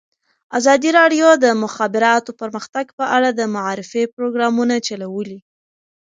ازادي راډیو د د مخابراتو پرمختګ په اړه د معارفې پروګرامونه چلولي.